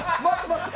待って！